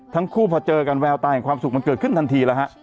ทั้งคู่พอเจอกันแววตาแห่งความสุขมันเกิดขึ้นทันทีแล้วฮะ